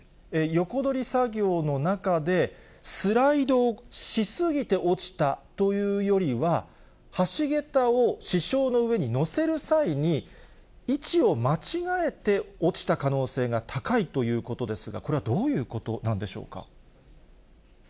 横取り作業の中でスライドをしすぎて落ちたというよりは、橋桁を支承の上に載せる際に、位置を間違えて落ちた可能性が高いということですが、これはどういうことなんでしょうか。